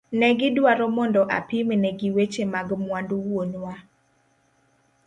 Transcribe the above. Negi dwaro mondo apimne gi weche mag mwandu wuonwa.